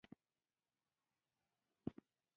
بلال راته وویل اردن ته ډېر سفرونه کړي.